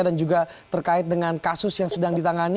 dan juga terkait dengan kasus yang sedang ditangani